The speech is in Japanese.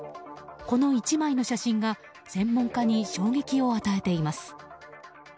この１枚の写真が専門家に衝撃を与えています。